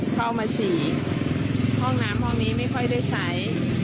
เข้ามาฉี่ห้องน้ำห้องนี้ไม่ค่อยได้ใช้